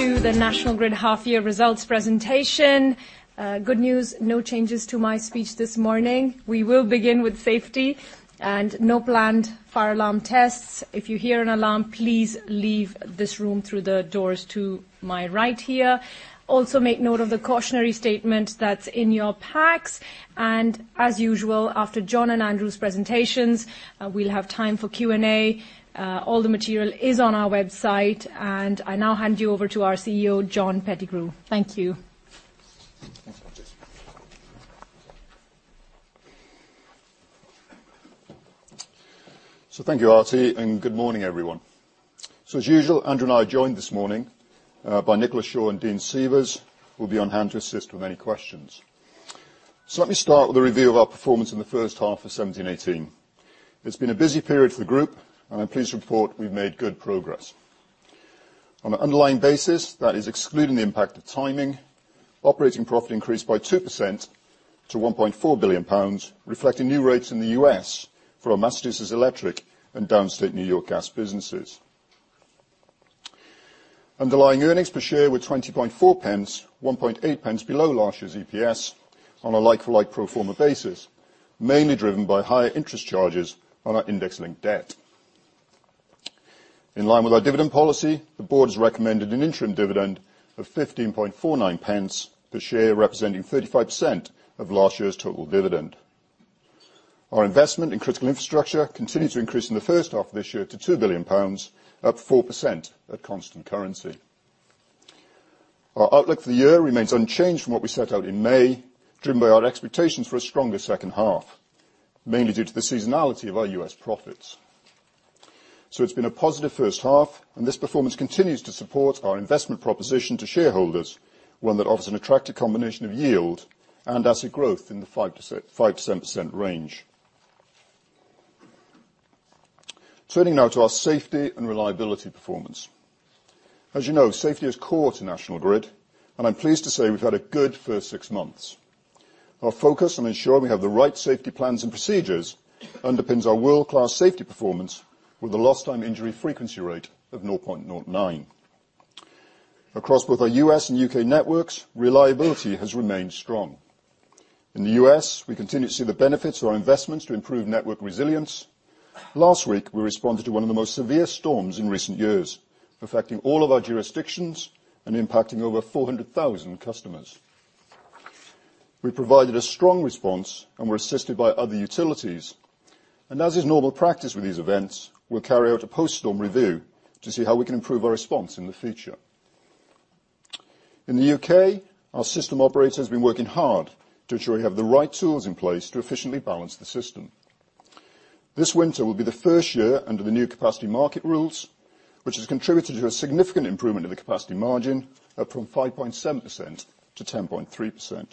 To the National Grid half-year results presentation. Good news: no changes to my speech this morning. We will begin with safety and no planned fire alarm tests. If you hear an alarm, please leave this room through the doors to my right here. Also, make note of the cautionary statement that's in your packs. And as usual, after John and Andrew's presentations, we'll have time for Q&A. All the material is on our website. And I now hand you over to our CEO, John Pettigrew. Thank you. Thank you, Arti, and good morning, everyone. As usual, Andrew and I joined this morning by Nicola Shaw and Dean Seavers, who will be on hand to assist with any questions. Let me start with a review of our performance in the first half of 2017 2018. It's been a busy period for the group, and I'm pleased to report we've made good progress. On an underlying basis, that is, excluding the impact of timing, operating profit increased by 2% to 1.4 billion pounds, reflecting new rates in the U.S. for our Massachusetts Electric and Downstate New York Gas businesses. Underlying earnings per share were 20.4p, 1.8p below last year's EPS on a like-for-like pro forma basis, mainly driven by higher interest charges on our index-linked debt. In line with our dividend policy, the board has recommended an interim dividend of 15.49p per share, representing 35% of last year's total dividend. Our investment in critical infrastructure continues to increase in the first half of this year to 2 billion pounds, up 4% at constant currency. Our outlook for the year remains unchanged from what we set out in May, driven by our expectations for a stronger second half, mainly due to the seasonality of our U.S. profits, so it's been a positive first half, and this performance continues to support our investment proposition to shareholders, one that offers an attractive combination of yield and asset growth in the 5% range. Turning now to our safety and reliability performance. As you know, safety is core to National Grid, and I'm pleased to say we've had a good first six months. Our focus on ensuring we have the right safety plans and procedures underpins our world-class safety performance with a lost-time injury frequency rate of 0.09. Across both our U.S. and U.K. networks, reliability has remained strong. In the U.S., we continue to see the benefits of our investments to improve network resilience. Last week, we responded to one of the most severe storms in recent years, affecting all of our jurisdictions and impacting over 400,000 customers. We provided a strong response and were assisted by other utilities, and as is normal practice with these events, we'll carry out a post-storm review to see how we can improve our response in the future. In the U.K., our system operators have been working hard to ensure we have the right tools in place to efficiently balance the system. This winter will be the first year under the new capacity market rules, which has contributed to a significant improvement in the capacity margin, up from 5.7% -10.3%.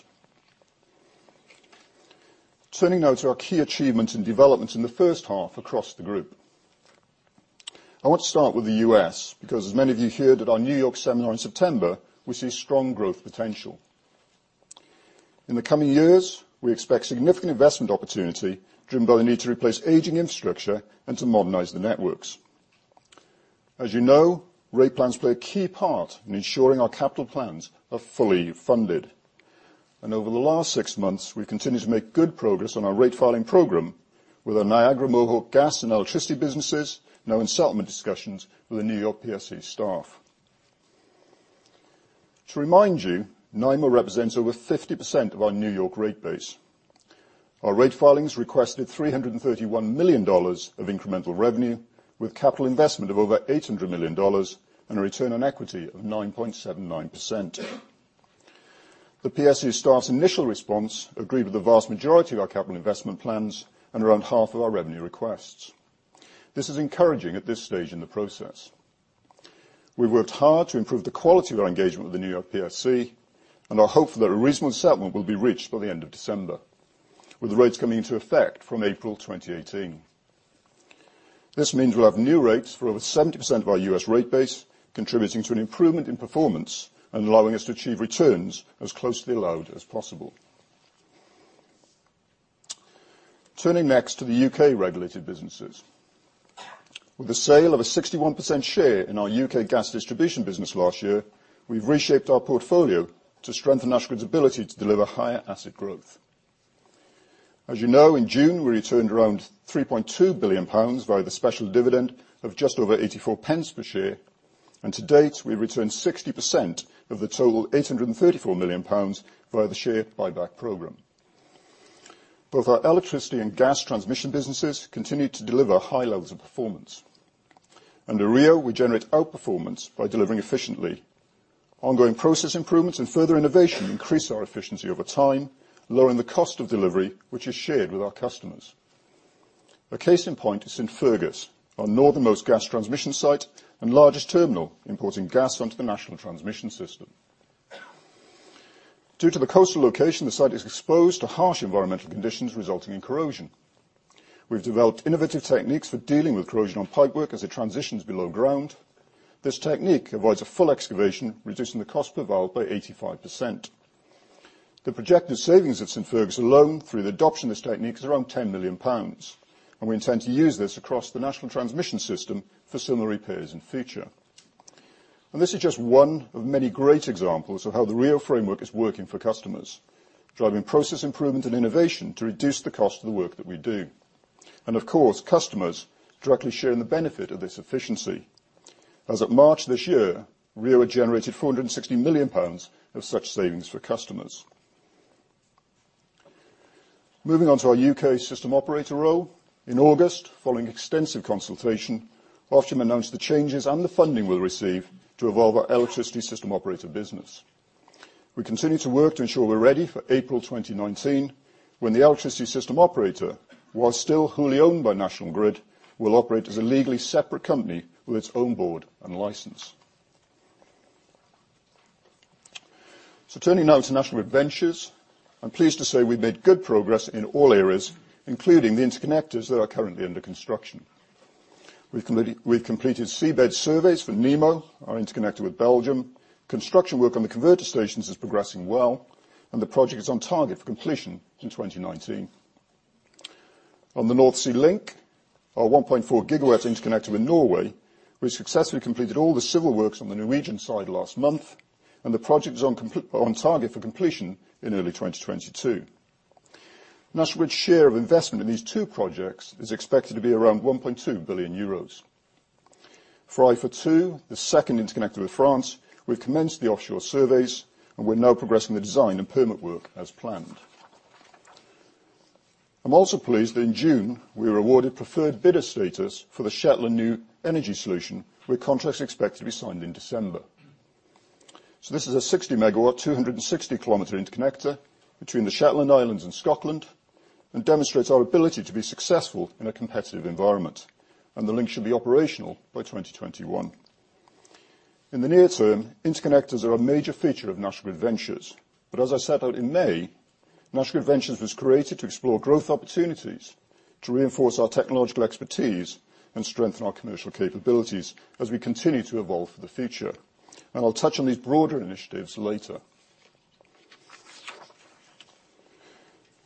Turning now to our key achievements and developments in the first half across the group, I want to start with the U.S. because, as many of you heard at our New York seminar in September, we see strong growth potential. In the coming years, we expect significant investment opportunity driven by the need to replace aging infrastructure and to modernize the networks. As you know, rate plans play a key part in ensuring our capital plans are fully funded. And over the last six months, we've continued to make good progress on our rate filing program with our Niagara Mohawk Gas and Electricity businesses, now in settlement discussions with the New York PSC staff. To remind you, NiMO represents over 50% of our New York rate base. Our rate filings requested $331 million of incremental revenue, with capital investment of over $800 million and a return on equity of 9.79%. The PSC staff's initial response agreed with the vast majority of our capital investment plans and around half of our revenue requests. This is encouraging at this stage in the process. We've worked hard to improve the quality of our engagement with the New York PSC and are hopeful that a reasonable settlement will be reached by the end of December, with the rates coming into effect from April 2018. This means we'll have new rates for over 70% of our U.S. rate base, contributing to an improvement in performance and allowing us to achieve returns as closely allowed as possible. Turning next to the U.K. regulated businesses. With the sale of a 61% share in our U.K. gas distribution business last year, we've reshaped our portfolio to strengthen National Grid's ability to deliver higher asset growth. As you know, in June, we returned around 3.2 billion pounds via the special dividend of just over 84p per share. To date, we've returned 60% of the total 834 million pounds via the share buyback program. Both our electricity and gas transmission businesses continue to deliver high levels of performance. Under RIIO, we generate outperformance by delivering efficiently. Ongoing process improvements and further innovation increase our efficiency over time, lowering the cost of delivery, which is shared with our customers. A case in point is St Fergus, our northernmost gas transmission site and largest terminal importing gas onto the national transmission system. Due to the coastal location, the site is exposed to harsh environmental conditions resulting in corrosion. We've developed innovative techniques for dealing with corrosion on pipework as it transitions below ground. This technique avoids a full excavation, reducing the cost profile by 85%. The projected savings of St Fergus alone through the adoption of this technique is around 10 million pounds, and we intend to use this across the national transmission system for similar repairs in the future. And this is just one of many great examples of how the RIIO framework is working for customers, driving process improvement and innovation to reduce the cost of the work that we do. And of course, customers directly share in the benefit of this efficiency. As of March this year, RIIO had generated GBP 460 million of such savings for customers. Moving on to our U.K. system operator role, in August, following extensive consultation, Arti announced the changes and the funding we'll receive to evolve our Electricity System Operator business. We continue to work to ensure we're ready for April 2019, when the Electricity System Operator, while still wholly owned by National Grid, will operate as a legally separate company with its own board and license. So turning now to National Grid Ventures, I'm pleased to say we've made good progress in all areas, including the interconnectors that are currently under construction. We've completed seabed surveys for NiMO, our interconnector with Belgium. Construction work on the converter stations is progressing well, and the project is on target for completion in 2019. On the North Sea Link, our 1.4 GW interconnector with Norway, we successfully completed all the civil works on the Norwegian side last month, and the project is on target for completion in early 2022. National Grid's share of investment in these two projects is expected to be around 1.2 billion euros. For IFA2, the second interconnector with France, we've commenced the offshore surveys, and we're now progressing the design and permit work as planned. I'm also pleased that in June, we were awarded preferred bidder status for the Shetland New Energy Solution, with contracts expected to be signed in December. So this is a 60 MW, 260 km interconnector between the Shetland Islands and Scotland and demonstrates our ability to be successful in a competitive environment. And the link should be operational by 2021. In the near term, interconnectors are a major feature of National Grid Ventures. As I set out in May, National Grid Ventures was created to explore growth opportunities, to reinforce our technological expertise, and strengthen our commercial capabilities as we continue to evolve for the future. I'll touch on these broader initiatives later.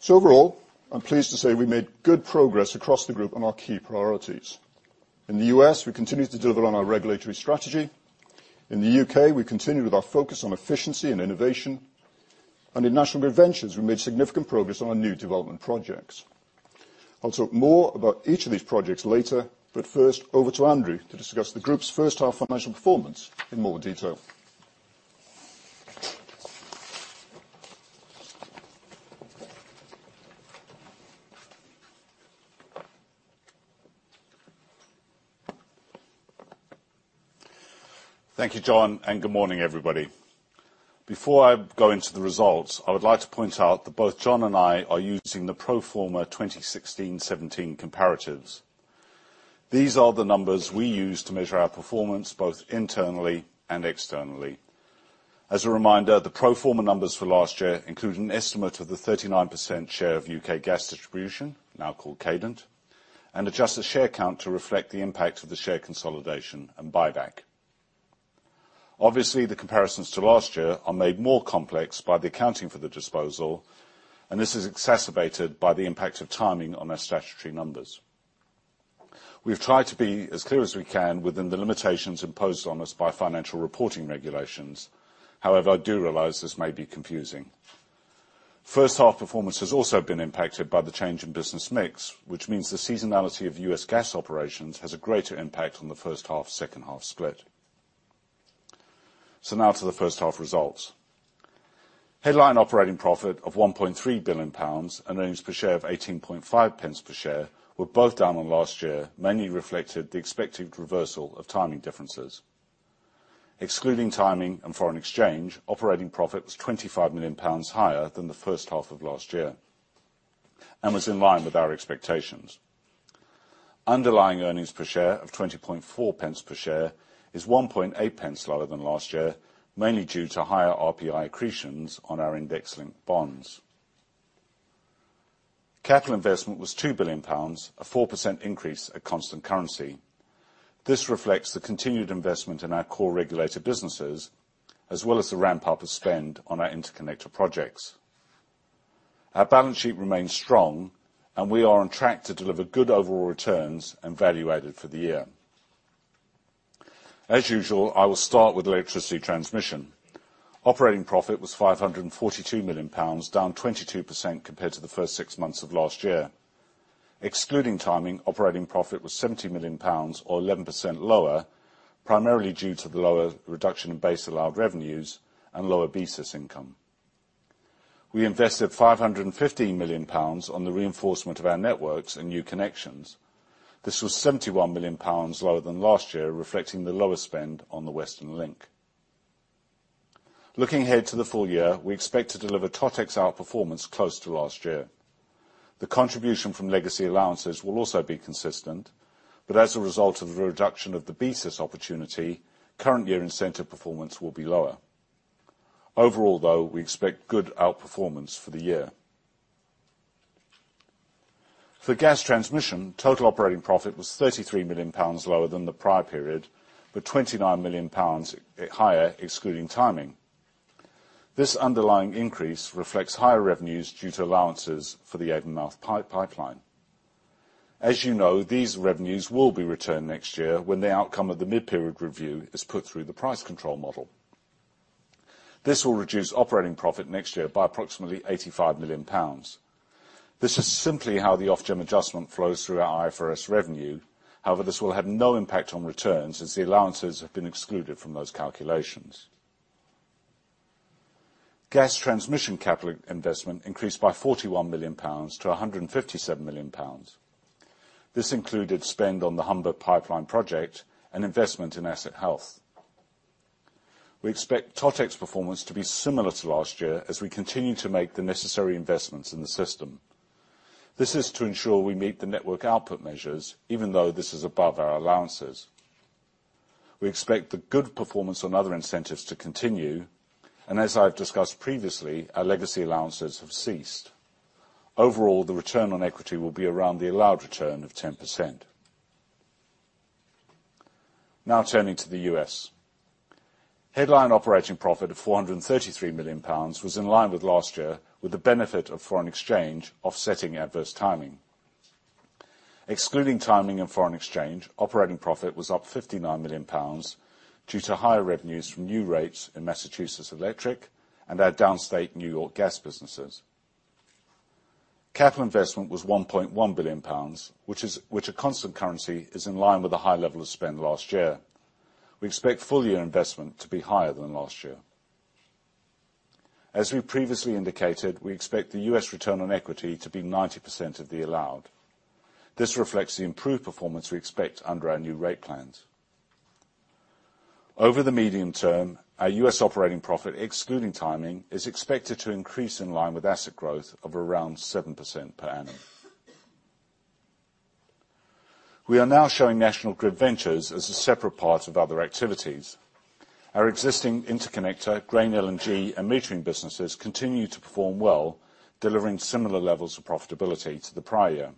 Overall, I'm pleased to say we've made good progress across the group on our key priorities. In the U.S., we continue to deliver on our regulatory strategy. In the U.K., we continue with our focus on efficiency and innovation. In National Grid Ventures, we've made significant progress on our new development projects. I'll talk more about each of these projects later, but first, over to Andrew to discuss the group's first half financial performance in more detail. Thank you, John, and good morning, everybody. Before I go into the results, I would like to point out that both John and I are using the pro forma 2016 2017 comparatives. These are the numbers we use to measure our performance both internally and externally. As a reminder, the pro forma numbers for last year include an estimate of the 39% share of U.K. gas distribution, now called Cadent, and adjust the share count to reflect the impact of the share consolidation and buyback. Obviously, the comparisons to last year are made more complex by the accounting for the disposal, and this is exacerbated by the impact of timing on our statutory numbers. We've tried to be as clear as we can within the limitations imposed on us by financial reporting regulations. However, I do realize this may be confusing. First half performance has also been impacted by the change in business mix, which means the seasonality of U.S. gas operations has a greater impact on the first half-second half split. So now to the first half results. Headline operating profit of 1.3 billion pounds and earnings per share of 18.5p per share were both down on last year, mainly reflected the expected reversal of timing differences. Excluding timing and foreign exchange, operating profit was 25 million pounds higher than the first half of last year and was in line with our expectations. Underlying earnings per share of 20.4 per share is 1.8 lower than last year, mainly due to higher RPI accretions on our index-linked bonds. Capital investment was 2 billion pounds, a 4% increase at constant currency. This reflects the continued investment in our core regulated businesses, as well as the ramp-up of spend on our interconnector projects. Our balance sheet remains strong, and we are on track to deliver good overall returns and value added for the year. As usual, I will start with electricity transmission. Operating profit was 542 million pounds, down 22% compared to the first six months of last year. Excluding timing, operating profit was 70 million pounds, or 11% lower, primarily due to the lower reduction in base allowed revenues and lower basis income. We invested 515 million pounds on the reinforcement of our networks and new connections. This was 71 million pounds lower than last year, reflecting the lower spend on the Western Link. Looking ahead to the full year, we expect to deliver totex outperformance close to last year. The contribution from legacy allowances will also be consistent, but as a result of the reduction of the basis opportunity, current year incentive performance will be lower. Overall, though, we expect good outperformance for the year. For gas transmission, total operating profit was 33 million pounds lower than the prior period, but 29 million pounds higher, excluding timing. This underlying increase reflects higher revenues due to allowances for the Avonmouth Pipeline. As you know, these revenues will be returned next year when the outcome of the mid-period review is put through the price control model. This will reduce operating profit next year by approximately 85 million pounds. This is simply how the Ofgem adjustment flows through our IFRS revenue. However, this will have no impact on returns as the allowances have been excluded from those calculations. Gas transmission capital investment increased by 41 million pounds to 157 million pounds. This included spend on the Humber Pipeline project and investment in asset health. We expect totex performance to be similar to last year as we continue to make the necessary investments in the system. This is to ensure we meet the network output measures, even though this is above our allowances. We expect the good performance on other incentives to continue, and as I've discussed previously, our legacy allowances have ceased. Overall, the return on equity will be around the allowed return of 10%. Now turning to the U.S., headline operating profit of 433 million pounds was in line with last year, with the benefit of foreign exchange offsetting adverse timing. Excluding timing and foreign exchange, operating profit was up 59 million pounds due to higher revenues from new rates in Massachusetts Electric and our Downstate New York Gas businesses. Capital investment was 1.1 billion pounds, which a constant currency is in line with a high level of spend last year. We expect full year investment to be higher than last year. As we previously indicated, we expect the U.S. return on equity to be 90% of the allowed. This reflects the improved performance we expect under our new rate plans. Over the medium term, our U.S. operating profit, excluding timing, is expected to increase in line with asset growth of around 7% per annum. We are now showing National Grid Ventures as a separate part of other activities. Our existing interconnector, Grain LNG, and metering businesses continue to perform well, delivering similar levels of profitability to the prior year.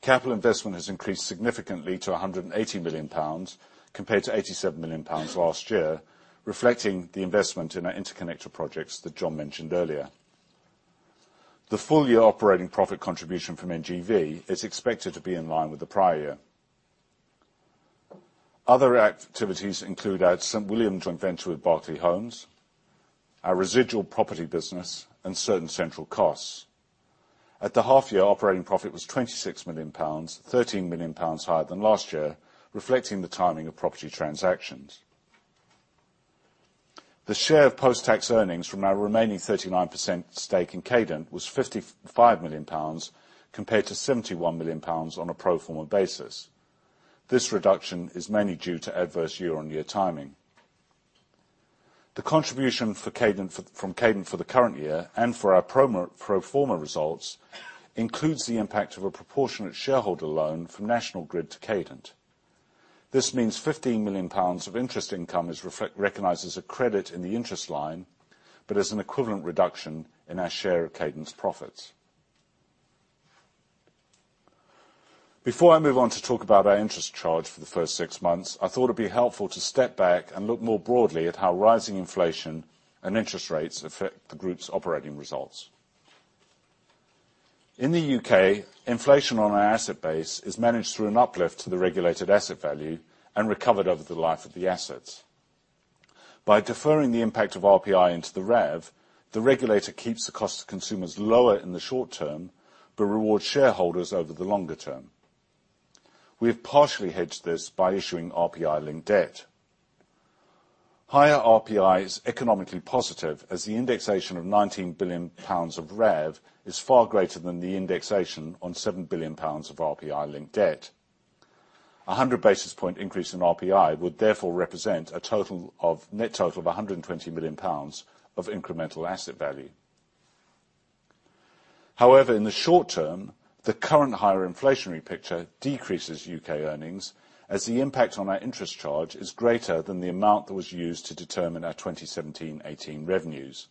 Capital investment has increased significantly to 180 million pounds compared to 87 million pounds last year, reflecting the investment in our interconnector projects that John mentioned earlier. The full year operating profit contribution from NGV is expected to be in line with the prior year. Other activities include our St William joint venture with Berkeley Homes, our residual property business, and certain central costs. At the half year, operating profit was 26 million pounds, 13 million pounds higher than last year, reflecting the timing of property transactions. The share of post-tax earnings from our remaining 39% stake in Cadent was 55 million pounds compared to 71 million pounds on a pro forma basis. This reduction is mainly due to adverse year-on-year timing. The contribution from Cadent for the current year and for our pro forma results includes the impact of a proportionate shareholder loan from National Grid to Cadent. This means 15 million pounds of interest income is recognized as a credit in the interest line, but as an equivalent reduction in our share of Cadent's profits. Before I move on to talk about our interest charge for the first six months, I thought it would be helpful to step back and look more broadly at how rising inflation and interest rates affect the group's operating results. In the U.K., inflation on our asset base is managed through an uplift to the regulated asset value and recovered over the life of the assets. By deferring the impact of RPI into the RAV, the regulator keeps the cost to consumers lower in the short term but rewards shareholders over the longer term. We have partially hedged this by issuing RPI-linked debt. Higher RPI is economically positive as the indexation of 19 billion pounds of RAV is far greater than the indexation on 7 billion pounds of RPI-linked debt. A 100 basis point increase in RPI would therefore represent a net total of 120 million pounds of incremental asset value. However, in the short term, the current higher inflationary picture decreases U.K. earnings as the impact on our interest charge is greater than the amount that was used to determine our 2017 2018 revenues.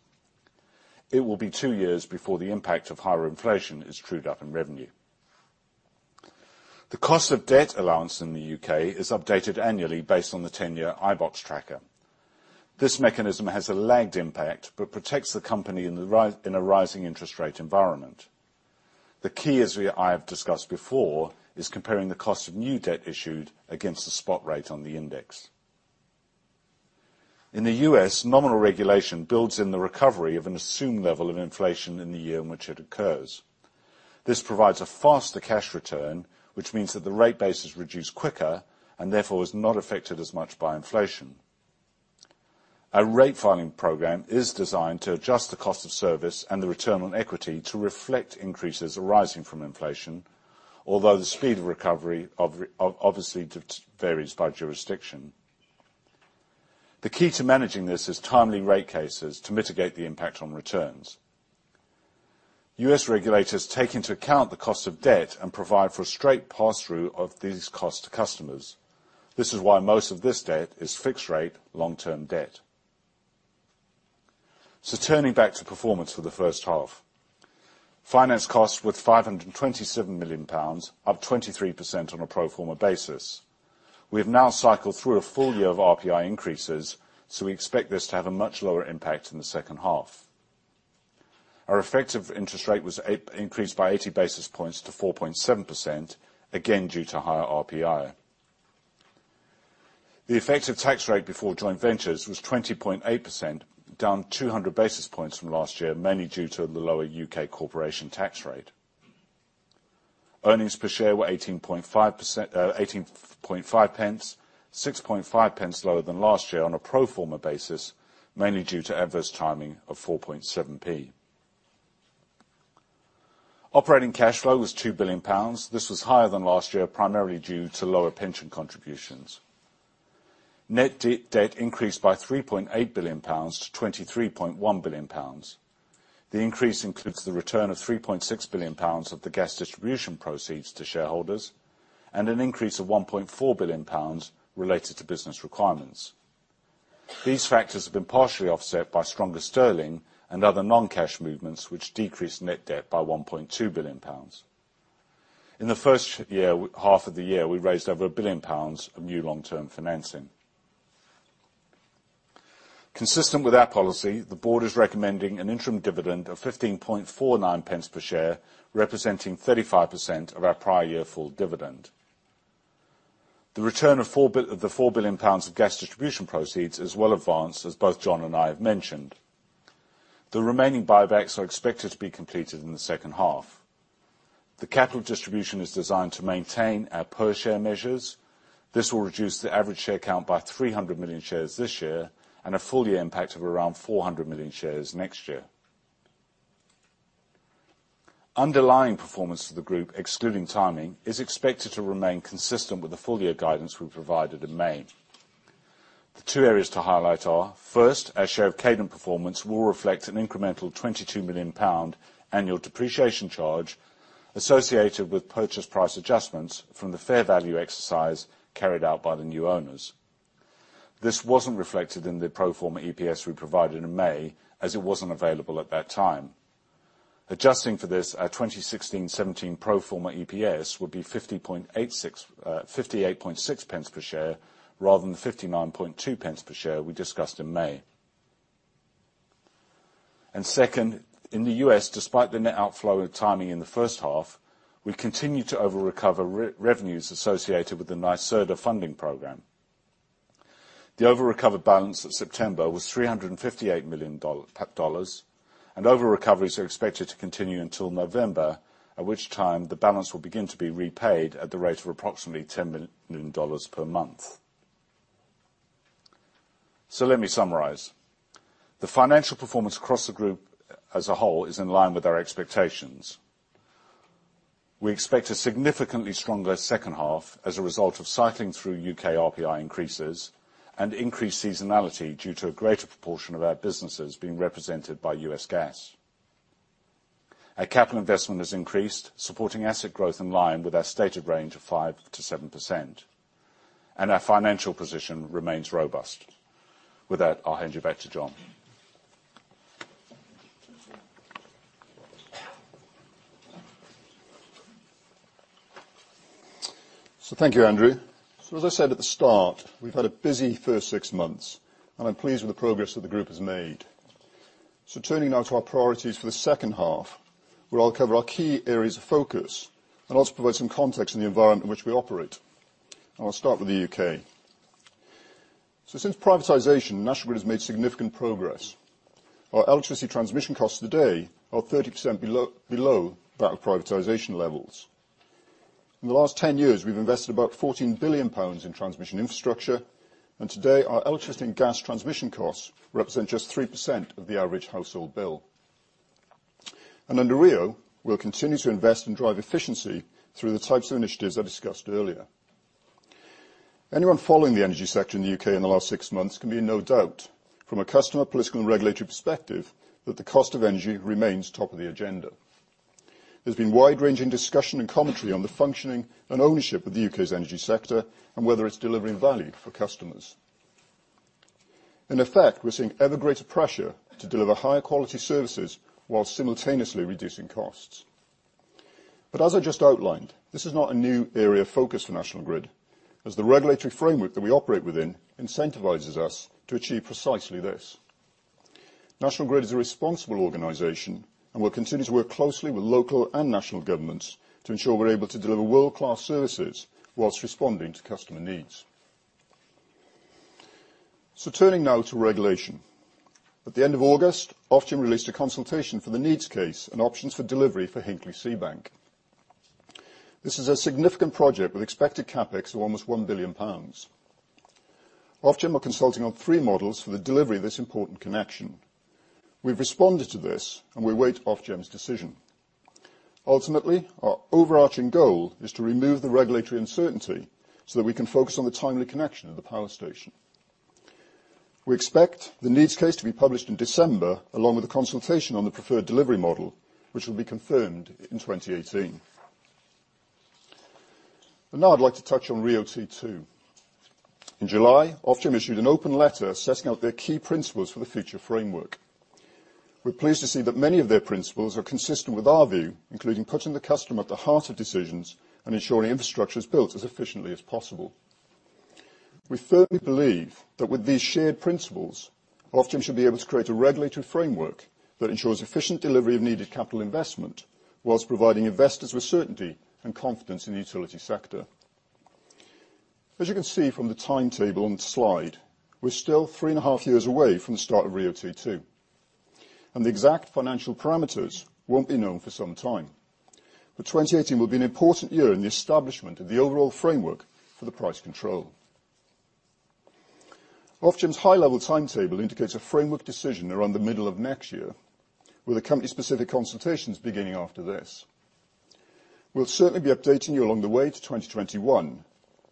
It will be two years before the impact of higher inflation is trued up in revenue. The cost of debt allowance in the U.K. is updated annually based on the 10-year iBoxx tracker. This mechanism has a lagged impact but protects the company in a rising interest rate environment. The key, as I have discussed before, is comparing the cost of new debt issued against the spot rate on the index. In the U.S., nominal regulation builds in the recovery of an assumed level of inflation in the year in which it occurs. This provides a faster cash return, which means that the rate base is reduced quicker and therefore is not affected as much by inflation. Our rate filing program is designed to adjust the cost of service and the return on equity to reflect increases arising from inflation, although the speed of recovery obviously varies by jurisdiction. The key to managing this is timely rate cases to mitigate the impact on returns. U.S. regulators take into account the cost of debt and provide for a straight pass-through of these costs to customers. This is why most of this debt is fixed rate, long-term debt. So turning back to performance for the first half. Finance costs were 527 million pounds, up 23% on a pro forma basis. We have now cycled through a full year of RPI increases, so we expect this to have a much lower impact in the second half. Our effective interest rate was increased by 80 basis points to 4.7%, again due to higher RPI. The effective tax rate before joint ventures was 20.8%, down 200 basis points from last year, mainly due to the lower U.K. corporation tax rate. Earnings per share were 18.5p, 6.5p lower than last year on a pro forma basis, mainly due to adverse timing of 4.7p. Operating cash flow was 2 billion pounds. This was higher than last year, primarily due to lower pension contributions. Net debt increased by GBP 3.8 billion to GBP 23.1 billion. The increase includes the return of GBP 3.6 billion of the gas distribution proceeds to shareholders and an increase of GBP 1.4 billion related to business requirements. These factors have been partially offset by stronger sterling and other non-cash movements, which decreased net debt by 1.2 billion pounds. In the first half of the year, we raised over 1 billion pounds of new long-term financing. Consistent with our policy, the board is recommending an interim dividend of 15.49 per share, representing 35% of our prior year full dividend. The return of the 4 billion pounds of gas distribution proceeds is well advanced, as both John and I have mentioned. The remaining buybacks are expected to be completed in the second half. The capital distribution is designed to maintain our per share measures. This will reduce the average share count by 300 million shares this year and a full year impact of around 400 million shares next year. Underlying performance for the group, excluding timing, is expected to remain consistent with the full year guidance we provided in May. The two areas to highlight are: first, our share of Cadent performance will reflect an incremental GBP 22 million annual depreciation charge associated with purchase price adjustments from the fair value exercise carried out by the new owners. This wasn't reflected in the pro forma EPS we provided in May, as it wasn't available at that time. Adjusting for this, our 2016 2017 pro forma EPS would be 58.6p per share rather than 59.2p per share we discussed in May. And second, in the U.S., despite the net outflow and timing in the first half, we continue to over-recover revenues associated with the NYSERDA funding program. The over-recovered balance at September was $358 million, and over-recoveries are expected to continue until November, at which time the balance will begin to be repaid at the rate of approximately $10 million per month. So let me summarise. The financial performance across the group as a whole is in line with our expectations. We expect a significantly stronger second half as a result of cycling through U.K. RPI increases and increased seasonality due to a greater proportion of our businesses being represented by U.S. gas. Our capital investment has increased, supporting asset growth in line with our stated range of 5%-7%, and our financial position remains robust. With that, I'll hand you back to John. So thank you, Andrew. So as I said at the start, we've had a busy first six months, and I'm pleased with the progress that the group has made. So turning now to our priorities for the second half, where I'll cover our key areas of focus and also provide some context in the environment in which we operate. And I'll start with the U.K.. So since privatization, National Grid has made significant progress. Our electricity transmission costs today are 30% below that of privatization levels. In the last 10 years, we've invested about 14 billion pounds in transmission infrastructure, and today our electricity and gas transmission costs represent just 3% of the average household bill. And under RIIO, we'll continue to invest and drive efficiency through the types of initiatives I discussed earlier. Anyone following the energy sector in the U.K. in the last six months can be no doubt, from a customer, political, and regulatory perspective, that the cost of energy remains top of the agenda. There's been wide-ranging discussion and commentary on the functioning and ownership of the U.K.'s energy sector and whether it's delivering value for customers. In effect, we're seeing ever greater pressure to deliver higher quality services while simultaneously reducing costs. But as I just outlined, this is not a new area of focus for National Grid, as the regulatory framework that we operate within incentivizes us to achieve precisely this. National Grid is a responsible organization and will continue to work closely with local and national governments to ensure we're able to deliver world-class services while responding to customer needs. So turning now to regulation. At the end of August, Ofgem released a consultation for the needs case and options for delivery for Hinkley-Seabank. This is a significant project with expected CapEx of almost 1 billion pounds. Ofgem are consulting on three models for the delivery of this important connection. We've responded to this, and we await Ofgem's decision. Ultimately, our overarching goal is to remove the regulatory uncertainty so that we can focus on the timely connection of the power station. We expect the needs case to be published in December, along with a consultation on the preferred delivery model, which will be confirmed in 2018. And now I'd like to touch on RIIO-2. In July, Ofgem issued an open letter setting out their key principles for the future framework. We're pleased to see that many of their principles are consistent with our view, including putting the customer at the heart of decisions and ensuring infrastructure is built as efficiently as possible. We firmly believe that with these shared principles, Ofgem should be able to create a regulatory framework that ensures efficient delivery of needed capital investment whilst providing investors with certainty and confidence in the utility sector. As you can see from the timetable on the slide, we're still three and a half years away from the start of RIIO-T2, and the exact financial parameters won't be known for some time, but 2018 will be an important year in the establishment of the overall framework for the price control. Ofgem's high-level timetable indicates a framework decision around the middle of next year, with accompanying specific consultations beginning after this. We'll certainly be updating you along the way to 2021.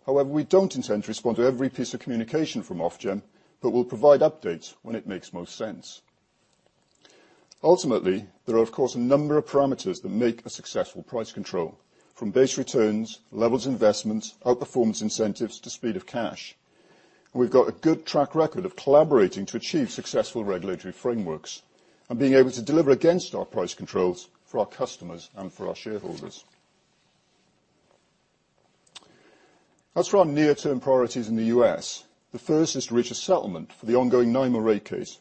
However, we don't intend to respond to every piece of communication from Ofgem, but we'll provide updates when it makes most sense. Ultimately, there are, of course, a number of parameters that make a successful price control, from base returns, levels of investments, outperformance incentives, to speed of cash, and we've got a good track record of collaborating to achieve successful regulatory frameworks and being able to deliver against our price controls for our customers and for our shareholders. As for our near-term priorities in the U.S., the first is to reach a settlement for the ongoing NiMO rate case,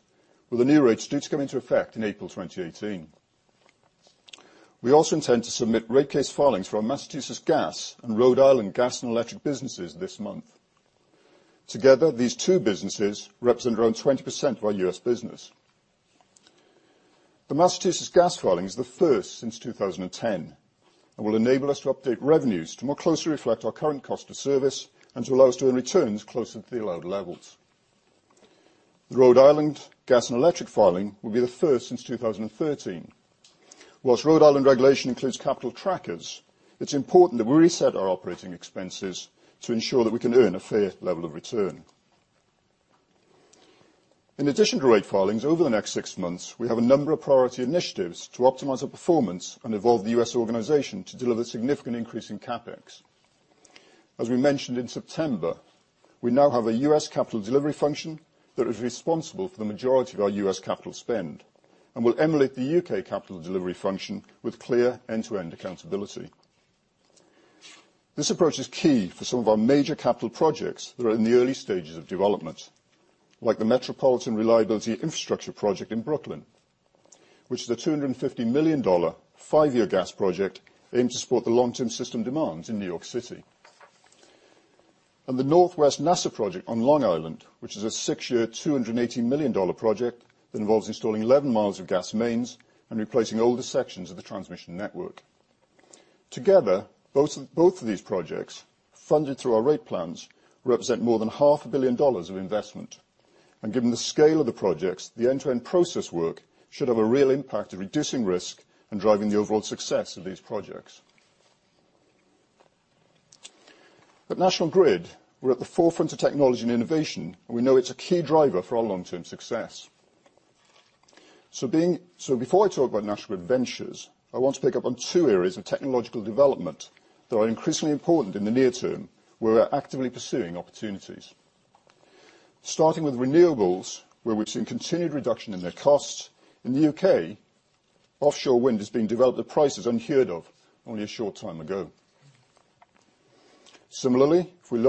with a new rate due to come into effect in April 2018. We also intend to submit rate case filings for our Massachusetts Gas and Rhode Island Gas and Electric businesses this month. Together, these two businesses represent around 20% of our U.S. business. The Massachusetts Gas filing is the first since 2010 and will enable us to update revenues to more closely reflect our current cost of service and to allow us to earn returns closer to the allowed levels. The Rhode Island Gas and Electric filing will be the first since 2013. While Rhode Island regulation includes capital trackers, it's important that we reset our operating expenses to ensure that we can earn a fair level of return. In addition to rate filings over the next six months, we have a number of priority initiatives to optimize our performance and evolve the U.S. organization to deliver a significant increase in CapEx. As we mentioned in September, we now have a U.S. capital delivery function that is responsible for the majority of our U.S. capital spend and will emulate the U.K. capital delivery function with clear end-to-end accountability. This approach is key for some of our major capital projects that are in the early stages of development, like the Metropolitan Reliability Infrastructure project in Brooklyn, which is a $250 million five-year gas project aimed to support the long-term system demands in New York City, and the Northwest Nassau project on Long Island, which is a six-year, $280 million project that involves installing 11 miles of gas mains and replacing older sections of the transmission network. Together, both of these projects, funded through our rate plans, represent more than $500 million of investment. Given the scale of the projects, the end-to-end process work should have a real impact of reducing risk and driving the overall success of these projects. At National Grid, we're at the forefront of technology and innovation, and we know it's a key driver for our long-term success. Before I talk about National Grid Ventures, I want to pick up on two areas of technological development that are increasingly important in the near term, where we're actively pursuing opportunities. Starting with renewables, where we've seen continued reduction in their costs, in the U.K., offshore wind is being developed at prices unheard of only a short time ago. Similarly, if we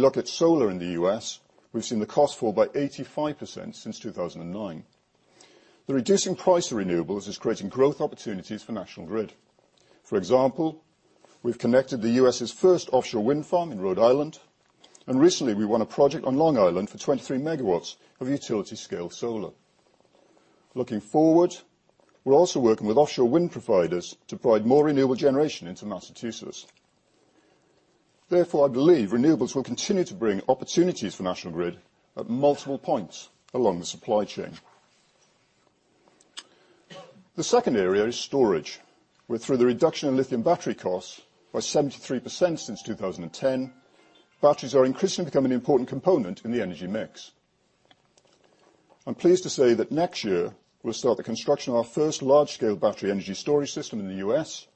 look at solar in the U.S., we've seen the cost fall by 85% since 2009. The reducing price of renewables is creating growth opportunities for National Grid. For example, we've connected the U.S.'s first offshore wind farm in Rhode Island, and recently we won a project on Long Island for 23 MW of utility-scale solar. Looking forward, we're also working with offshore wind providers to provide more renewable generation into Massachusetts. Therefore, I believe renewables will continue to bring opportunities for National Grid at multiple points along the supply chain. The second area is storage, where, through the reduction in lithium battery costs by 73% since 2010, batteries are increasingly becoming an important component in the energy mix. I'm pleased to say that next year, we'll start the construction of our first large-scale battery energy storage system in the U.S.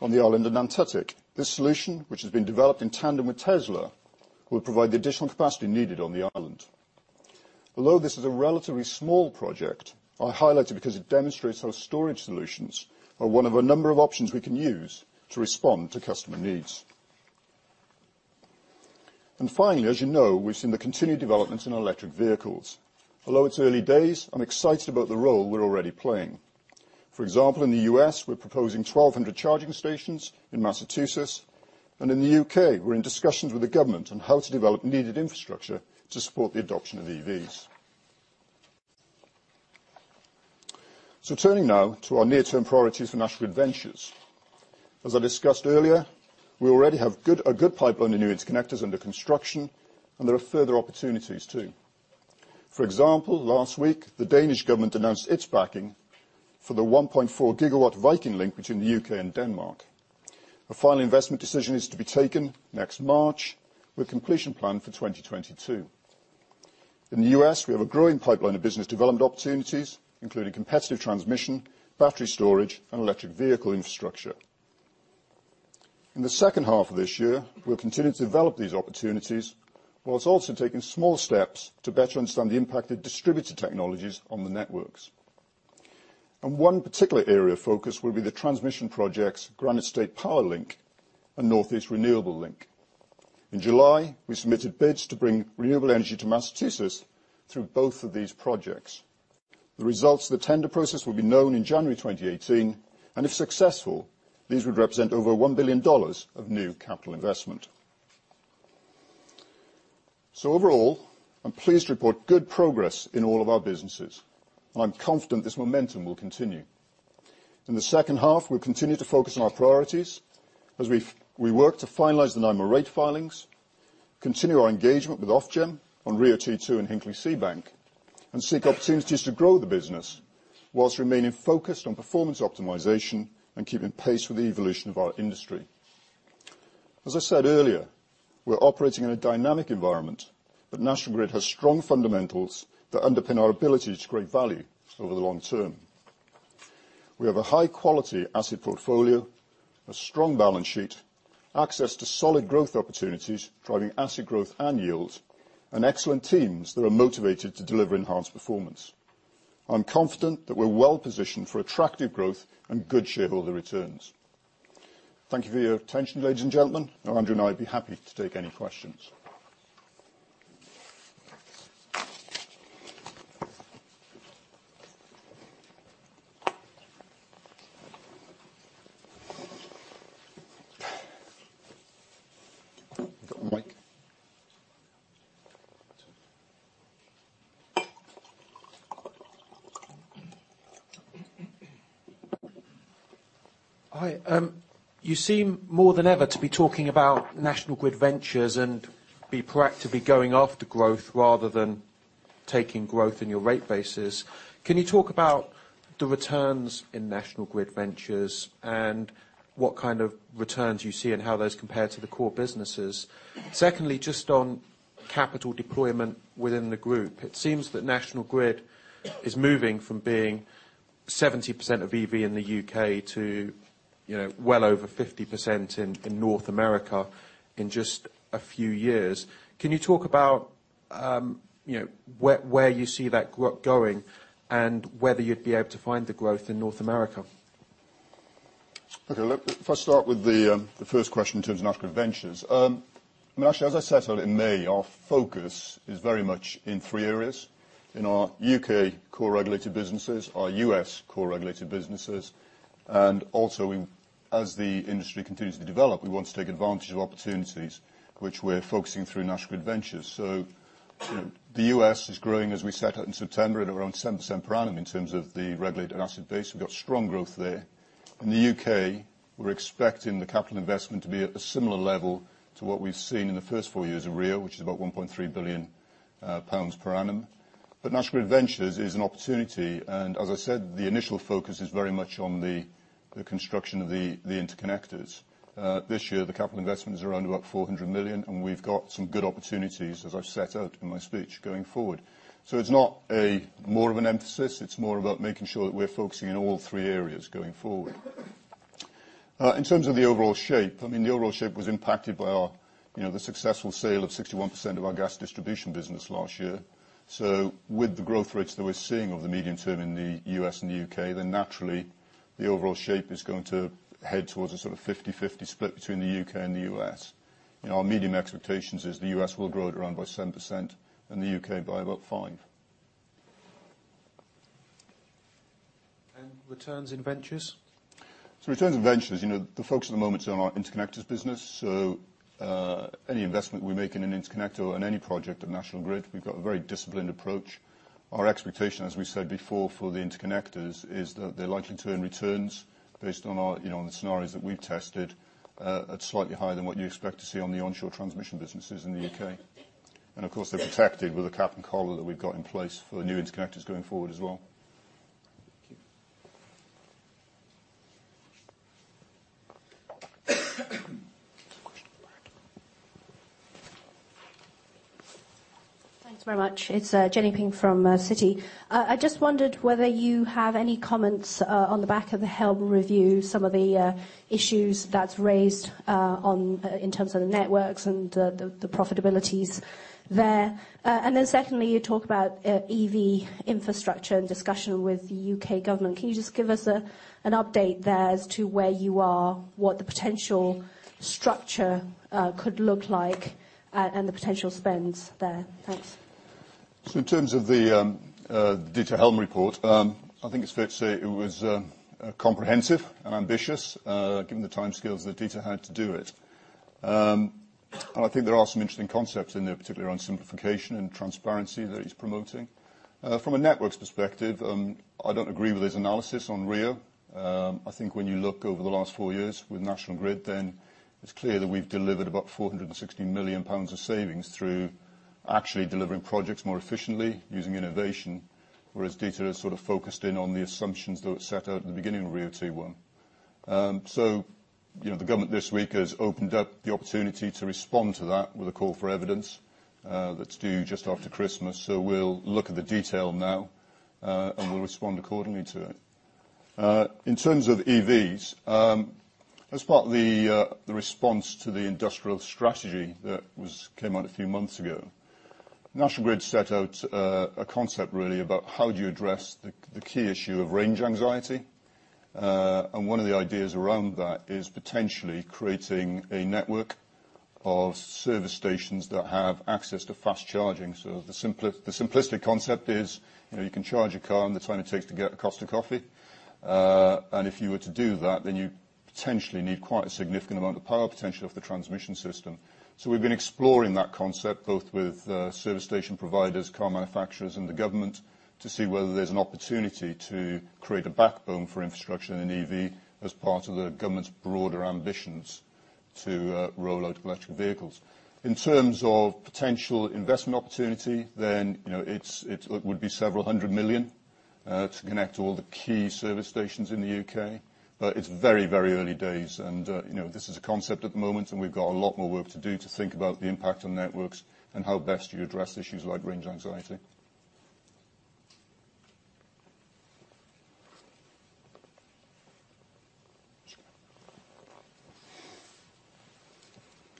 on the island of Nantucket. This solution, which has been developed in tandem with Tesla, will provide the additional capacity needed on the island. Although this is a relatively small project, I highlight it because it demonstrates how storage solutions are one of a number of options we can use to respond to customer needs. And finally, as you know, we've seen the continued developments in electric vehicles. Although it's early days, I'm excited about the role we're already playing. For example, in the U.S., we're proposing 1,200 charging stations in Massachusetts, and in the U.K., we're in discussions with the government on how to develop needed infrastructure to support the adoption of EVs. So turning now to our near-term priorities for National Grid Ventures. As I discussed earlier, we already have a good pipeline of new interconnectors under construction, and there are further opportunities too. For example, last week, the Danish government announced its backing for the 1.4 GW Viking Link between the U.K. and Denmark. A final investment decision is to be taken next March, with completion planned for 2022. In the U.S., we have a growing pipeline of business development opportunities, including competitive transmission, battery storage, and electric vehicle infrastructure. In the second half of this year, we'll continue to develop these opportunities, while also taking small steps to better understand the impact of distributed technologies on the networks. One particular area of focus will be the transmission projects, Granite State Power Link and Northeast Renewable Link. In July, we submitted bids to bring renewable energy to Massachusetts through both of these projects. The results of the tender process will be known in January 2018, and if successful, these would represent over $1 billion of new capital investment. Overall, I'm pleased to report good progress in all of our businesses, and I'm confident this momentum will continue. In the second half, we'll continue to focus on our priorities as we work to finalize the NiMO rate filings, continue our engagement with Ofgem on RIIO-2 and Hinkley-Seabank, and seek opportunities to grow the business while remaining focused on performance optimization and keeping pace with the evolution of our industry. As I said earlier, we're operating in a dynamic environment, but National Grid has strong fundamentals that underpin our ability to create value over the long term. We have a high-quality asset portfolio, a strong balance sheet, access to solid growth opportunities driving asset growth and yields, and excellent teams that are motivated to deliver enhanced performance. I'm confident that we're well positioned for attractive growth and good shareholder returns. Thank you for your attention, ladies and gentlemen. Andrew and I would be happy to take any questions. We've got a mic. Hi. You seem more than ever to be talking about National Grid Ventures and be proactively going after growth rather than taking growth in your rate bases. Can you talk about the returns in National Grid Ventures and what kind of returns you see and how those compare to the core businesses? Secondly, just on capital deployment within the group, it seems that National Grid is moving from being 70% of CapEx in the U.K. to well over 50% in North America in just a few years. Can you talk about where you see that going and whether you'd be able to find the growth in North America? Okay. Let's first start with the first question in terms of National Grid Ventures. I mean, actually, as I said earlier, in May, our focus is very much in three areas: in our U.K. core regulated businesses, our U.S. core regulated businesses, and also, as the industry continues to develop, we want to take advantage of opportunities which we're focusing through National Grid Ventures. So the U.S. is growing, as we said in September, at around 7% per annum in terms of the regulated asset base. We've got strong growth there. In the U.K., we're expecting the capital investment to be at a similar level to what we've seen in the first four years of RIIO, which is about 1.3 billion pounds per annum. But National Grid Ventures is an opportunity, and as I said, the initial focus is very much on the construction of the interconnectors. This year, the capital investment is around about 400 million, and we've got some good opportunities, as I've said in my speech, going forward, so it's not more of an emphasis; it's more about making sure that we're focusing in all three areas going forward. In terms of the overall shape, I mean, the overall shape was impacted by the successful sale of 61% of our gas distribution business last year, so with the growth rates that we're seeing over the medium term in the U.S. and the U.K., then naturally, the overall shape is going to head towards a sort of 50/50 split between the U.K. and the U.S. Our medium expectation is the U.S. will grow at around about 7% and the U.K. by about 5%, and returns in ventures? So returns in ventures, the focus at the moment is on our interconnectors business. Any investment we make in an interconnector or in any project of National Grid, we've got a very disciplined approach. Our expectation, as we said before, for the interconnectors is that they're likely to earn returns based on the scenarios that we've tested at slightly higher than what you expect to see on the onshore transmission businesses in the U.K.. And of course, they're protected with the cap and collar that we've got in place for new interconnectors going forward as well. Thank you. Thanks very much. It's Jenny Ping from Citi. I just wondered whether you have any comments on the back of the Helm review, some of the issues that's raised in terms of the networks and the profitabilities there. And then secondly, you talk about EV infrastructure and discussion with the U.K. government. Can you just give us an update there as to where you are, what the potential structure could look like, and the potential spends there? Thanks. So in terms of the Dieter Helm report, I think it's fair to say it was comprehensive and ambitious given the time scales that Dieter had to do it. And I think there are some interesting concepts in there, particularly around simplification and transparency that he's promoting. From a networks perspective, I don't agree with his analysis on RIIO. I think when you look over the last four years with National Grid, then it's clear that we've delivered about 460 million pounds of savings through actually delivering projects more efficiently using innovation, whereas Dieter has sort of focused in on the assumptions that were set out at the beginning of RIIO-T1. The government this week has opened up the opportunity to respond to that with a call for evidence that's due just after Christmas. We'll look at the detail now, and we'll respond accordingly to it. In terms of EVs, as part of the response to the industrial strategy that came out a few months ago, National Grid set out a concept really about how do you address the key issue of range anxiety. One of the ideas around that is potentially creating a network of service stations that have access to fast charging. The simplistic concept is you can charge your car in the time it takes to get a cup of coffee. If you were to do that, then you potentially need quite a significant amount of power potential of the transmission system. So we've been exploring that concept both with service station providers, car manufacturers, and the government to see whether there's an opportunity to create a backbone for infrastructure in an EV as part of the government's broader ambitions to roll out electric vehicles. In terms of potential investment opportunity, then it would be several hundred million to connect all the key service stations in the U.K., but it's very, very early days. And this is a concept at the moment, and we've got a lot more work to do to think about the impact on networks and how best you address issues like range anxiety.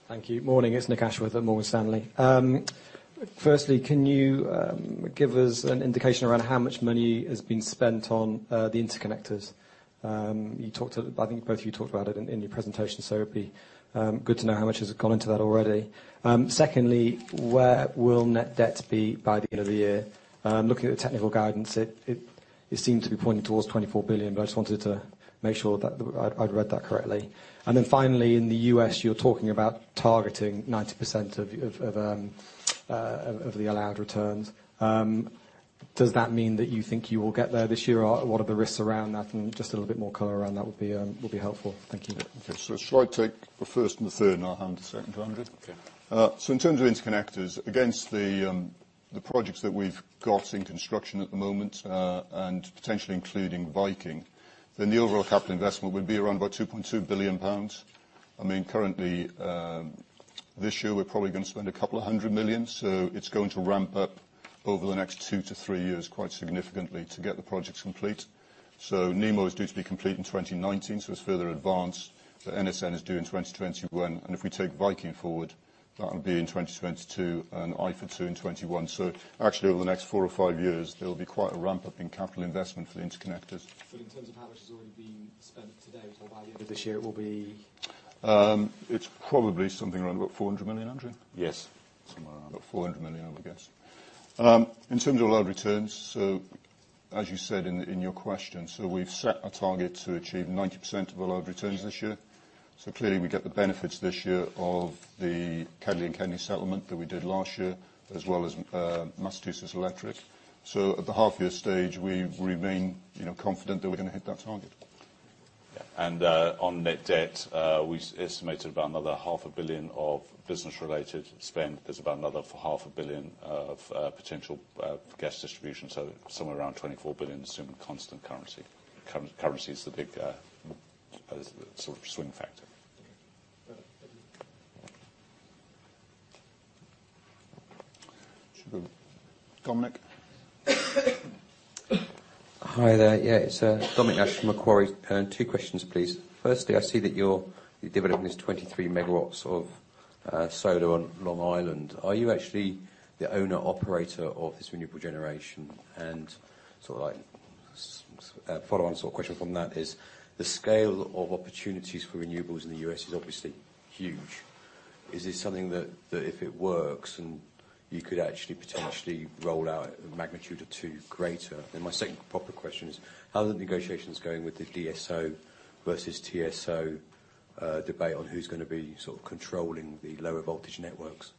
Thank you. Morning. It's Nick Ashworth at Morgan Stanley. Firstly, can you give us an indication around how much money has been spent on the interconnectors? I think both of you talked about it in your presentation, so it'd be good to know how much has gone into that already. Secondly, where will net debt be by the end of the year? Looking at the technical guidance, it seemed to be pointing towards 24 billion, but I just wanted to make sure that I'd read that correctly. And then finally, in the U.S., you're talking about targeting 90% of the allowed returns. Does that mean that you think you will get there this year? What are the risks around that? And just a little bit more color around that would be helpful. Thank you. Okay. So I'll take the first and third, and I'll hand the second to Andrew. Okay. So in terms of interconnectors, against the projects that we've got in construction at the moment and potentially including Viking, then the overall capital investment would be around about 2.2 billion pounds. I mean, currently, this year, we're probably going to spend a couple of hundred million, so it's going to ramp up over the next two to three years quite significantly to get the projects complete. So NiMO is due to be complete in 2019, so it's further advanced. The NSL is due in 2021. And if we take Viking forward, that'll be in 2022 and IFA2 in 2021. So actually, over the next four or five years, there'll be quite a ramp-up in capital investment for the interconnectors. But in terms of how much has already been spent today or by the end of this year, it will be? It's probably something around about 400 million, Andrew. Yes. Somewhere around about 400 million, I would guess. In terms of allowed returns, so as you said in your question, so we've set a target to achieve 90% of allowed returns this year. So clearly, we get the benefits this year of the KEDLI and KEDNY settlement that we did last year, as well as Massachusetts Electric. So at the half-year stage, we remain confident that we're going to hit that target. Yeah. And on net debt, we estimated about another 500 million of business-related spend. There's about another 500 million of potential for gas distribution, so somewhere around 24 billion assuming constant currency. Currency is the big sort of swing factor. Thank you. Should we go? Dominic. Hi there. Yeah, it's Dominic Nash from Macquarie. Two questions, please. Firstly, I see that you're developing this 23 MW of solar on Long Island. Are you actually the owner-operator of this renewable generation? And sort of follow-on sort of question from that is the scale of opportunities for renewables in the U.S. is obviously huge. Is this something that if it works and you could actually potentially roll out a magnitude or two greater? And my second proper question is, how are the negotiations going with the DSO versus TSO debate on who's going to be sort of controlling the lower voltage networks?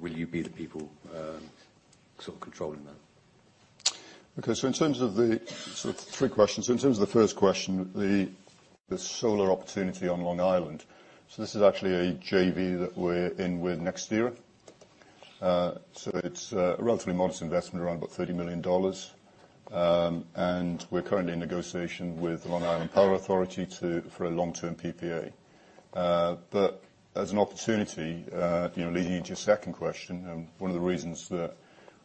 Will you be the people sort of controlling that? Okay. So in terms of the sort of three questions, so in terms of the first question, the solar opportunity on Long Island, so this is actually a JV that we're in with NextEra. So it's a relatively modest investment, around about $30 million. And we're currently in negotiation with the Long Island Power Authority for a long-term PPA. But as an opportunity, leading into your second question, one of the reasons that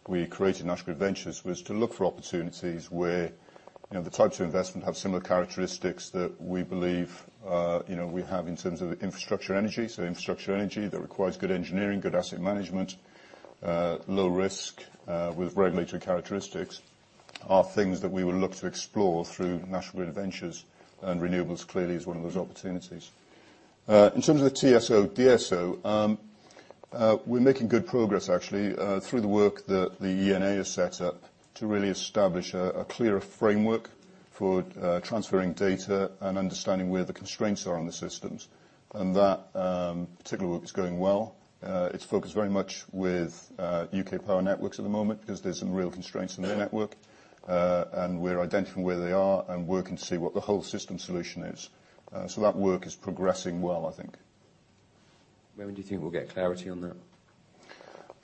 we created National Grid Ventures was to look for opportunities where the type two investment have similar characteristics that we believe we have in terms of infrastructure energy. So infrastructure energy that requires good engineering, good asset management, low risk, with regulatory characteristics are things that we would look to explore through National Grid Ventures. And renewables clearly is one of those opportunities. In terms of the TSO/DSO, we're making good progress actually through the work that the ENA has set up to really establish a clearer framework for transferring data and understanding where the constraints are on the systems. And that particular work is going well. It's focused very much with U.K. Power Networks at the moment because there's some real constraints in their network. We're identifying where they are and working to see what the whole system solution is. So that work is progressing well, I think. When do you think we'll get clarity on that?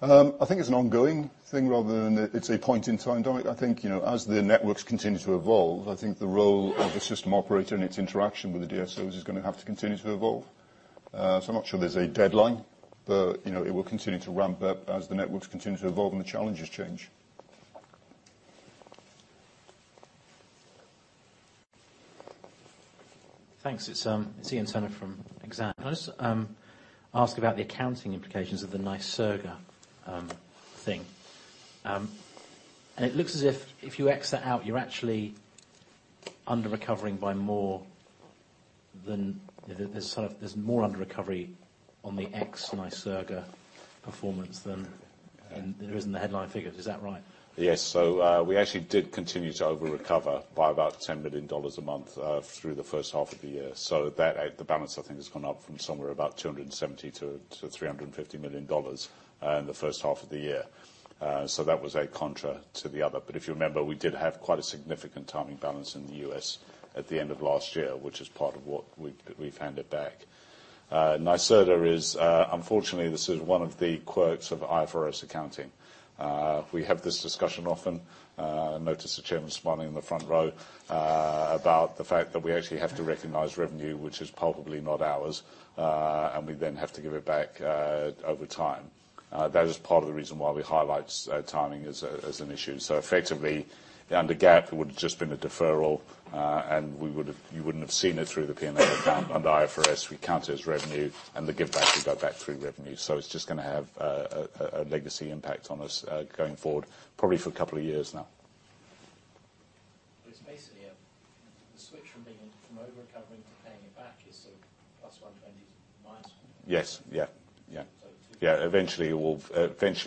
I think it's an ongoing thing rather than it's a point in time. I think as the networks continue to evolve, I think the role of the system operator and its interaction with the DSOs is going to have to continue to evolve. So I'm not sure there's a deadline, but it will continue to ramp up as the networks continue to evolve and the challenges change. Thanks. It's Iain Turner from Exane BNP Paribas asking about the accounting implications of the NYSERDA thing. And it looks as if if you X that out, you're actually under-recovering by more than there's more under-recovery on the ex-NYSERDA performance than there is in the headline figures. Is that right? Yes. So we actually did continue to over-recover by about $10 million a month through the first half of the year. So the balance, I think, has gone up from somewhere about $270-$350 million in the first half of the year. So that was a contra to the other. But if you remember, we did have quite a significant timing balance in the U.S. at the end of last year, which is part of what we've handed back. NYSERDA is, unfortunately, this is one of the quirks of IFRS accounting. We have this discussion often. Notice the chairman's smiling in the front row about the fact that we actually have to recognize revenue, which is probably not ours, and we then have to give it back over time. That is part of the reason why we highlight timing as an issue. So effectively, under GAAP, it would have just been a deferral, and you wouldn't have seen it through the P&L under IFRS. We count it as revenue, and the giveback would go back through revenue. So it's just going to have a legacy impact on us going forward, probably for a couple of years now. But it's basically a switch from over-recovering to paying it back is sort of +120, -120. Yes. Yeah. Yeah. Yeah. Eventually,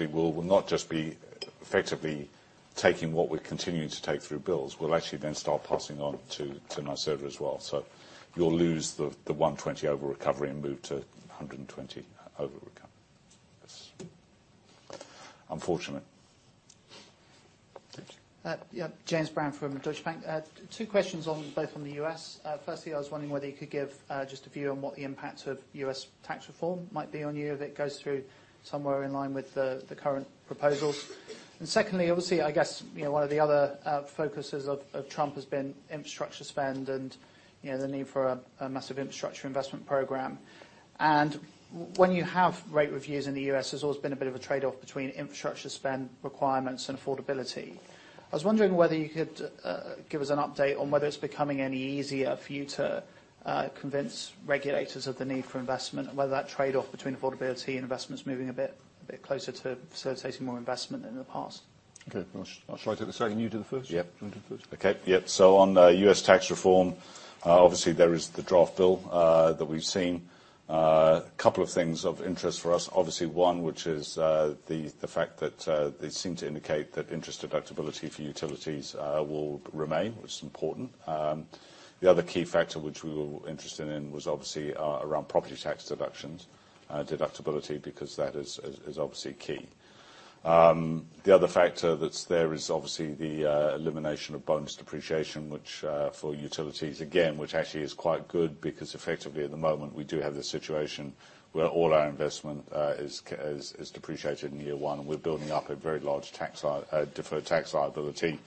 we'll not just be effectively taking what we're continuing to take through bills. We'll actually then start passing on to NYSERDA as well. So you'll lose the 120 over-recovery and move to 120 over-recovery. Unfortunate. Thank you. James Brand from Deutsche Bank. Two questions both on the U.S. Firstly, I was wondering whether you could give just a view on what the impact of U.S. tax reform might be on you if it goes through somewhere in line with the current proposals. And secondly, obviously, I guess one of the other focuses of Trump has been infrastructure spend and the need for a massive infrastructure investment program. And when you have rate reviews in the U.S., there's always been a bit of a trade-off between infrastructure spend requirements and affordability. I was wondering whether you could give us an update on whether it's becoming any easier for you to convince regulators of the need for investment and whether that trade-off between affordability and investment is moving a bit closer to facilitating more investment than in the past. Okay. I'll try to do the second. You do the first? Yep. I'll do the first. Okay. Yep. So on U.S. tax reform, obviously, there is the draft bill that we've seen. A couple of things of interest for us. Obviously, one, which is the fact that they seem to indicate that interest deductibility for utilities will remain, which is important. The other key factor which we were interested in was obviously around property tax deductions, deductibility, because that is obviously key. The other factor that's there is obviously the elimination of bonus depreciation, which for utilities, again, which actually is quite good because effectively at the moment we do have this situation where all our investment is depreciated in year one. We're building up a very large tax liability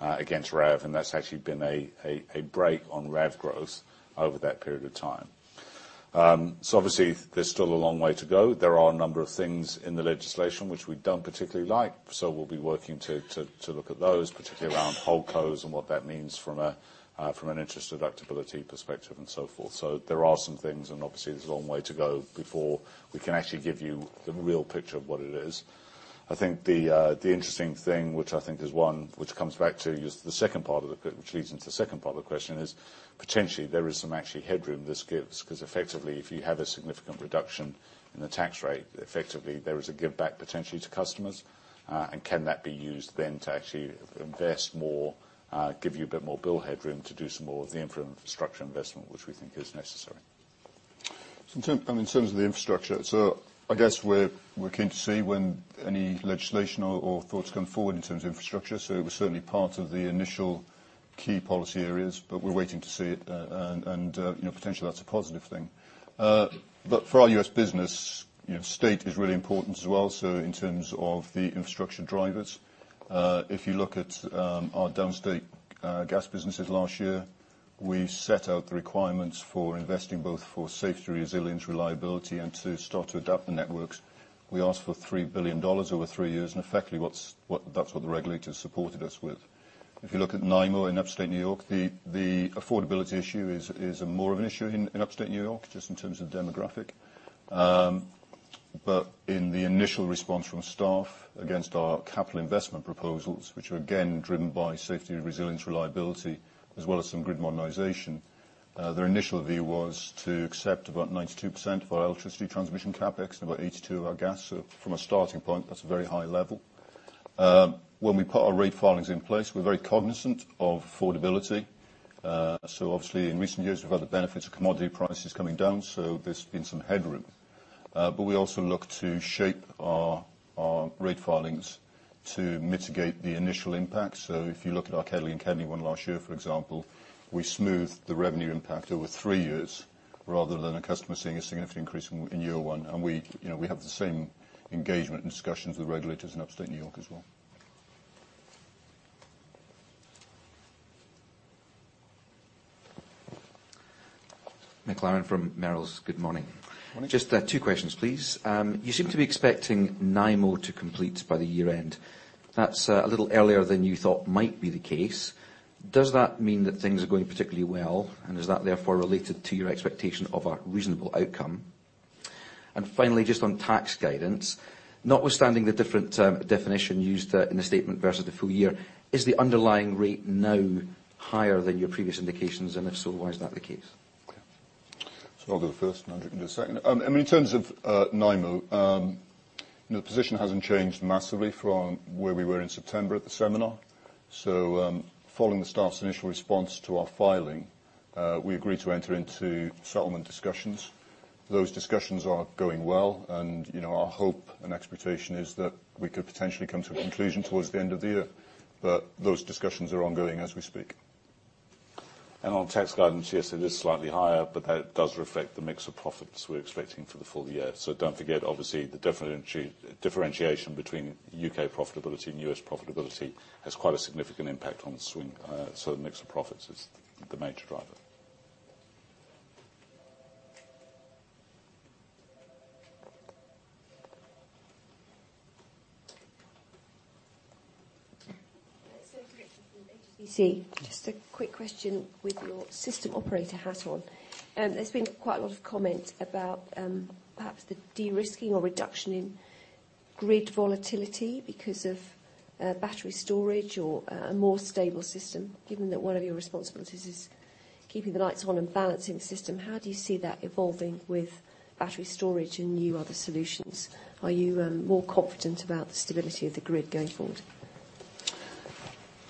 against RAV, and that's actually been a break on RAV growth over that period of time. So obviously, there's still a long way to go. There are a number of things in the legislation which we don't particularly like, so we'll be working to look at those, particularly around holdcos and what that means from an interest deductibility perspective and so forth. So there are some things, and obviously, there's a long way to go before we can actually give you the real picture of what it is. I think the interesting thing, which I think is one which comes back to you, is the second part which leads into the second part of the question, potentially there is some actually headroom this gives because effectively, if you have a significant reduction in the tax rate, effectively there is a give back potentially to customers. Can that be used then to actually invest more, give you a bit more bill headroom to do some more of the infrastructure investment, which we think is necessary? In terms of the infrastructure, I guess we're keen to see when any legislation or thoughts come forward in terms of infrastructure. It was certainly part of the initial key policy areas, but we're waiting to see it, and potentially that's a positive thing. For our U.S. business, state is really important as well. In terms of the infrastructure drivers, if you look at our downstate gas businesses last year, we set out the requirements for investing both for safety, resilience, reliability, and to start to adapt the networks. We asked for $3 billion over three years, and effectively that's what the regulators supported us with. If you look at NiMO in upstate New York, the affordability issue is more of an issue in upstate New York just in terms of demographic. But in the initial response from staff against our capital investment proposals, which were again driven by safety, resilience, reliability, as well as some grid modernization, their initial view was to accept about 92% of our electricity transmission CapEx and about 82% of our gas. So from a starting point, that's a very high level. When we put our rate filings in place, we're very cognizant of affordability. So obviously, in recent years, we've had the benefits of commodity prices coming down, so there's been some headroom. But we also look to shape our rate filings to mitigate the initial impact. So if you look at our KEDLI and KEDNY one last year, for example, we smoothed the revenue impact over three years rather than a customer seeing a significant increase in year one. And we have the same engagement and discussions with regulators in upstate New York as well. Fraser McLaren from Merrill Lynch. Good morning. Good morning. Just two questions, please. You seem to be expecting NiMO to complete by the year end. That's a little earlier than you thought might be the case. Does that mean that things are going particularly well, and is that therefore related to your expectation of a reasonable outcome? And finally, just on tax guidance, notwithstanding the different definition used in the statement versus the full year, is the underlying rate now higher than your previous indications? And if so, why is that the case? Okay. So I'll go first, and Andrew can do the second. I mean, in terms of NiMO, the position hasn't changed massively from where we were in September at the seminar. So following the staff's initial response to our filing, we agreed to enter into settlement discussions. Those discussions are going well, and our hope and expectation is that we could potentially come to a conclusion towards the end of the year. But those discussions are ongoing as we speak. And on tax guidance, yes, it is slightly higher, but that does reflect the mix of profits we're expecting for the full year. So don't forget, obviously, the differentiation between U.K. profitability and U.S. profitability has quite a significant impact on the swing. So the mix of profits is the major driver. Just a quick question with your system operator hat on. There's been quite a lot of comments about perhaps the de-risking or reduction in grid volatility because of battery storage or a more stable system. Given that one of your responsibilities is keeping the lights on and balancing the system, how do you see that evolving with battery storage and new other solutions? Are you more confident about the stability of the grid going forward?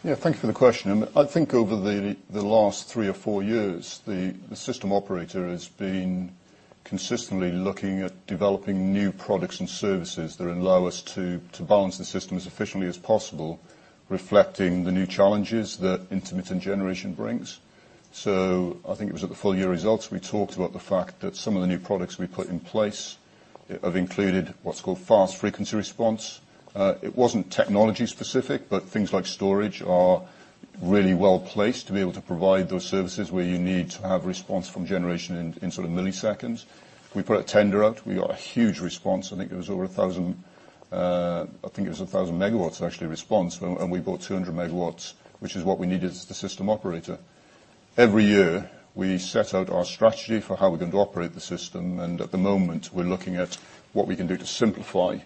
Yeah. Thank you for the question. I think over the last three or four years, the system operator has been consistently looking at developing new products and services that are in lows to balance the system as efficiently as possible, reflecting the new challenges that intermittent generation brings. So I think it was at the full year results we talked about the fact that some of the new products we put in place have included what's called fast frequency response. It wasn't technology specific, but things like storage are really well placed to be able to provide those services where you need to have response from generation in sort of milliseconds. We put a tender out. We got a huge response. I think it was over 1,000 MW actually in response, and we bought 200 MW, which is what we needed as the system operator. Every year, we set out our strategy for how we're going to operate the system, and at the moment, we're looking at what we can do to simplify the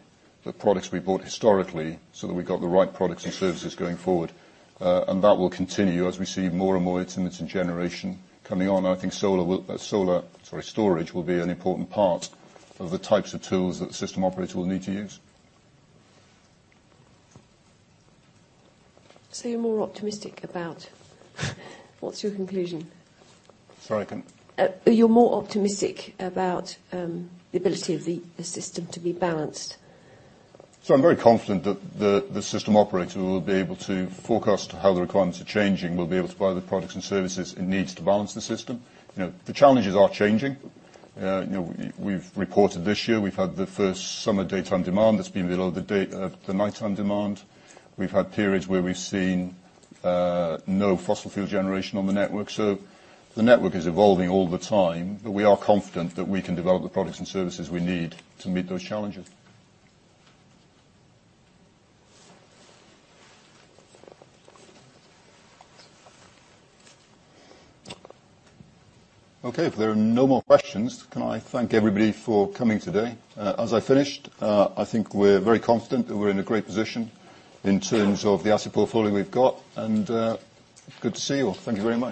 products we bought historically so that we've got the right products and services going forward, and that will continue as we see more and more intermittent generation coming on. I think solar storage will be an important part of the types of tools that the system operators will need to use. So you're more optimistic about what's your conclusion? Sorry, I can't. You're more optimistic about the ability of the system to be balanced. So I'm very confident that the system operator will be able to forecast how the requirements are changing, will be able to buy the products and services it needs to balance the system. The challenges are changing. We've reported this year we've had the first summer daytime demand that's been below the nighttime demand. We've had periods where we've seen no fossil fuel generation on the network. So the network is evolving all the time, but we are confident that we can develop the products and services we need to meet those challenges. Okay. If there are no more questions, can I thank everybody for coming today? As I finished, I think we're very confident that we're in a great position in terms of the asset portfolio we've got and good to see you all. Thank you very much.